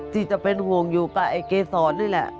ที่จะเป็นห่วงอยู่กับไอ้เกษรนี่แหละ